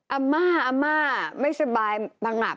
อัมม่าไม่สบายผงับ